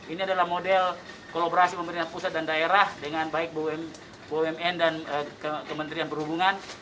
ini adalah model kolaborasi pemerintah pusat dan daerah dengan baik bumn dan kementerian perhubungan